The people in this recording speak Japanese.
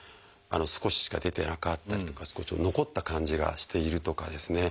少ししか出てなかったりとか少し残った感じがしているとかですね